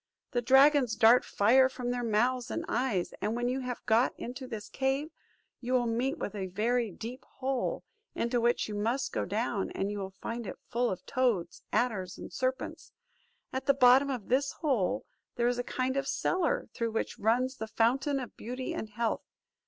The dragons dart fire from their mouths and eyes; and when you have got into this cave, you will meet with a very deep hole, into which you must go down, and you will find it full of toads, adders and serpents. At the bottom of this hole there is a kind of cellar, through which runs the fountain of beauty and health.